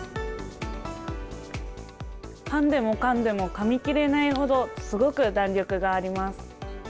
かんでもかんでもかみ切れないほど、すごく弾力があります。